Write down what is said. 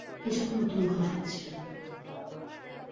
এটা কোন দুর্ঘটনা ছিল না!